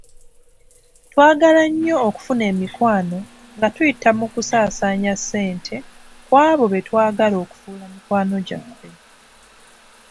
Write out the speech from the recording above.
Twagala nnyo okufuna emikwano nga tuyita mu kusaasaanya ssente ku abo betwagala okufuula mikwano gyaffe.